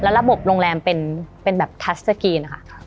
แล้วระบบโรงแรมเป็นเป็นแบบทัชเมื่อกี้นะคะ